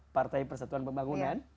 partai persatuan pembangunan